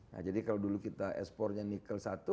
nah jadi kalau dulu kita ekspornya nikel satu